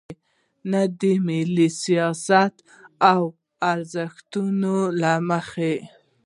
نه د ملي سیاست او ارزښتونو له مخې.